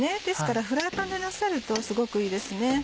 ですからフライパンでなさるとすごくいいですね。